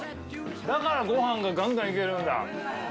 だからごはんががんがんいけるんだ。